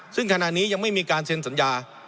ซึ่งขณะนี้ยังไม่มีการเซ็นสัญญา